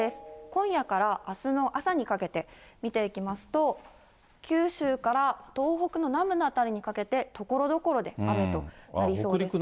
今夜からあすの朝にかけて見ていきますと、九州から東北の南部の辺りにかけて、ところどころで雨となりそうです。